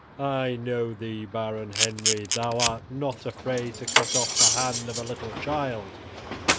I know thee, Baron Henry thou art not afraid to cut off the hand of a little child.